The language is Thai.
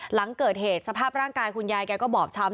หลังเกิดเหตุสภาพร่างกายคุณยายแกก็บอบช้ำ